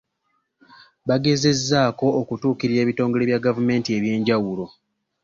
Bagezezzaako okutuukirira ebitongole bya gavumenti eby'enjawulo.